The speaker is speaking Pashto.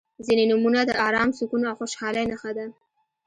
• ځینې نومونه د ارام، سکون او خوشحالۍ نښه ده.